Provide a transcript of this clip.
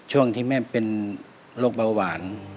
ช่วงที่แม่เป็นโรคเบาหวาน